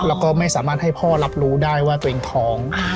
แล้วก็ไม่สามารถให้พ่อรับรู้ได้ว่าตัวเองท้อง